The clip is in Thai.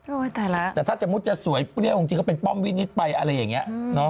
แต่ละแต่ถ้าสมมุติจะสวยเปรี้ยวจริงก็เป็นป้อมวินิตไปอะไรอย่างนี้